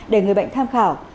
để người bệnh tham khảo